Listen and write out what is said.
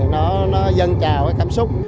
nó dâng trào cái cảm xúc